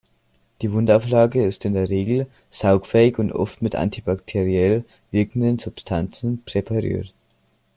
Die Wundauflage ist in der Regel saugfähig und oft mit antibakteriell wirkenden Substanzen präpariert.